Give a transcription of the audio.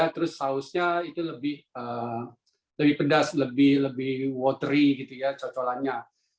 terus sausnya itu lebih pedas lebih lebih watery gitu ya cocolannya